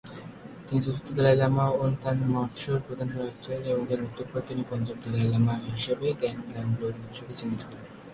তিনি চতুর্থ দলাই লামা য়োন-তান-র্গ্যা-ম্ত্শোর প্রধান সহায়ক ছিলেন এবং তার মৃত্যুর পর তিনি পঞ্চম দলাই লামা হিসেবে ঙ্গাগ-দ্বাং-ব্লো-ব্জাং-র্গ্যা-ম্ত্শোকে চিহ্নিত করেন।